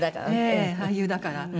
ええ俳優だから。